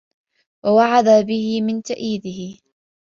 وَوَعَدَ بِهِ مِنْ تَأْيِيدِهِ